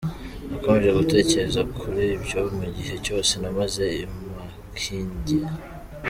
Nakomeje gutekereza kuri byo mu gihe cyose namaze i Makindye.